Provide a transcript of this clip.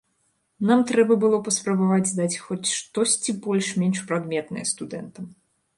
Нам трэба было паспрабаваць даць хоць штосьці больш-менш прадметнае студэнтам.